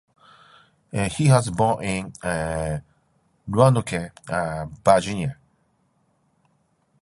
He was born in Roanoke, Virginia.